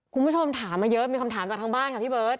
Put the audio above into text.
คุณผู้ชมถามมาเยอะมีคำถามจากทางบ้านค่ะพี่เบิร์ต